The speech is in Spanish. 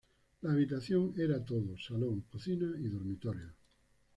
La habitación era todo: salón, cocina y dormitorios.